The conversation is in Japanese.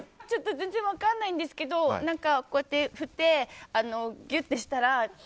全然分からないんですけどこうやって振ってぎゅってしたら。